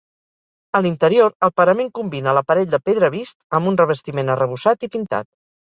A l'interior, el parament combina l'aparell de pedra vist amb un revestiment arrebossat i pintat.